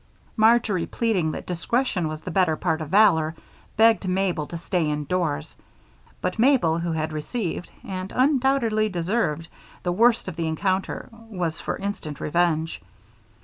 Marjory, pleading that discretion was the better part of valor, begged Mabel to stay indoors; but Mabel, who had received, and undoubtedly deserved, the worst of the encounter, was for instant revenge.